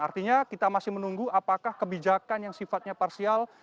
artinya kita masih menunggu apakah kebijakan yang sifatnya parsial